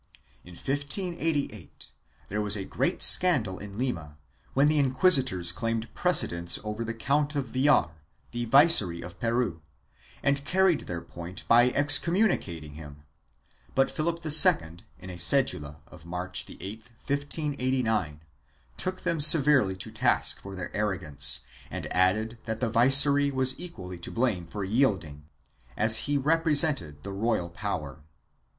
In 1588 there was great scandal in Lima, when the inquisitors claimed pre cedence over the Count of Villar, the Viceroy of Peru, and carried their point by excommunicating him, but Philip II, in a cedula of March 8, 1589, took them severely to task for their arrogance and added that the viceroy was equally to blame for yielding, as he represented the royal power.